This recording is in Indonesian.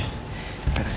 iya jangan lupa